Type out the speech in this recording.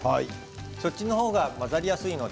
そっちの方が混ざりやすいので。